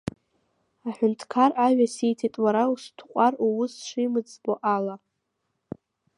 Аҳәынҭкар ажәа сиҭеит уара усыҭҟәар уус шимыӡбо ала.